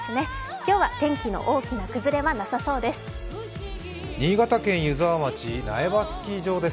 今日は天気の大きな崩れはなさそうです。